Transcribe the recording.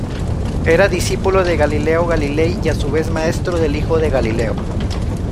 Era discípulo de Galileo Galilei, y a su vez maestro del hijo de Galileo.